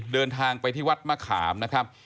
เดินทางไปที่วัดมะขามนะครับ